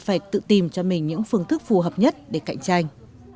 phải tự tìm cho mình những phương thức phù hợp nhất để cạnh tranh